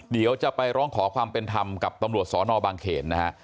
เดี๋ยวจะไปร้องขอความเป็นธรรมกับตำรวจสอนอบางเขนนะฮะ